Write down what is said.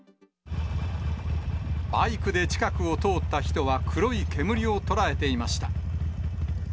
バイクで近くを通った人は、黒い煙を捉えていました。